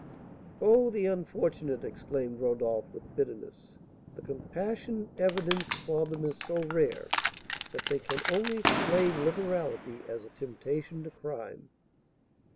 "Oh, the unfortunate!" exclaimed Rodolph, with bitterness. "The compassion evinced for them is so rare, that they can only explain liberality as a temptation to crime!"